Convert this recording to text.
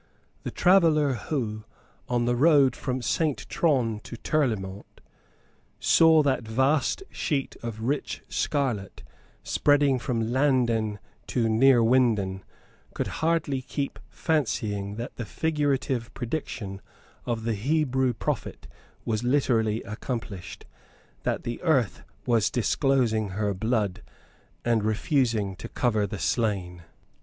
The traveller who, on the road from Saint Tron to Tirlemont, saw that vast sheet of rich scarlet spreading from Landen to Neerwinden, could hardly help fancying that the figurative prediction of the Hebrew prophet was literally accomplished, that the earth was disclosing her blood, and refusing to cover the slain.